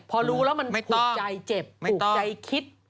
พอรู้แล้วมันผูกใจเจ็บถูกใจคิด